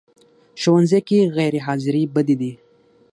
ښوونځی کې غیر حاضرې بدې دي